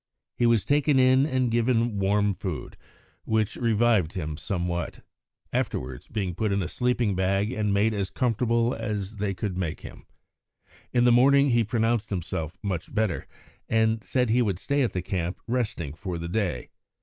He was taken in and given warm food, which revived him somewhat, afterwards being put in a sleeping bag and made as comfortable as they could make him. In the morning he pronounced himself much better, and said he would stay at the camp, resting, for the day.